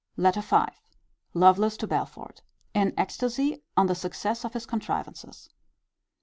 LETTER V. Lovelace to Belford. In ecstasy on the success of his contrivances.